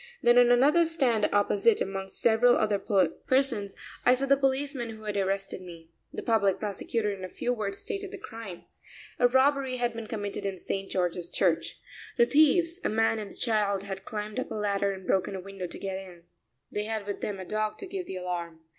Then on another stand opposite, amongst several other persons, I saw the policeman who had arrested me. The public prosecutor in a few words stated the crime. A robbery had been committed in St. George's Church. The thieves, a man and a child, had climbed up a ladder and broken a window to get in. They had with them a dog to give the alarm.